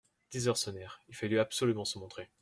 Dix heures sonnèrent : il fallut absolument se montrer.